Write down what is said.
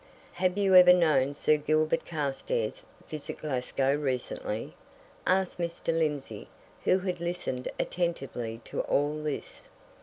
"Have you ever known Sir Gilbert Carstairs visit Glasgow recently?" asked Mr. Lindsey, who had listened attentively to all this.